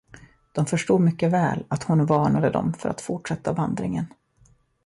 De förstod mycket väl, att hon varnade dem för att fortsätta vandringen.